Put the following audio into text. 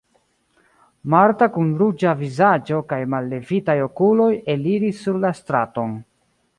Marta kun ruĝa vizaĝo kaj mallevitaj okuloj eliris sur la straton.